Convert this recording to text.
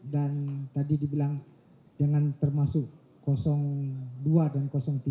dan tadi dibilang dengan termasuk dua dan tiga